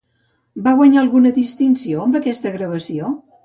Va guanyar alguna distinció amb aquesta gravació?